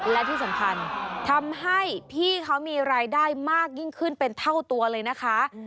และที่สำคัญทำให้พี่เขามีรายได้มากยิ่งขึ้นเป็นเท่าตัวเลยนะคะ